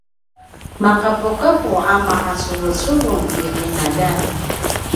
maqepuqepu a maqacuvucuvung i qinaljan